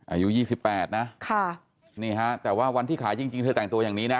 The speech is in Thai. อายุ๒๘นะค่ะนี่ฮะแต่ว่าวันที่ขายจริงเธอแต่งตัวอย่างนี้นะ